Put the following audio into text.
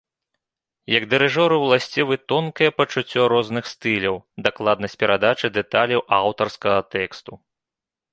Як дырыжору уласцівы тонкае пачуццё розных стыляў, дакладнасць перадачы дэталей аўтарскага тэксту.